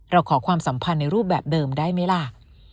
ขอความสัมพันธ์ในรูปแบบเดิมได้ไหมล่ะ